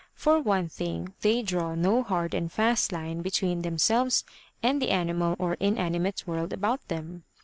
For one thing they draw no hard and fast line between themselves and the animal or inanimate world about them.